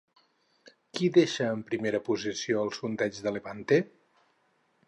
Qui deixa en primera posició el sondeig de Levante?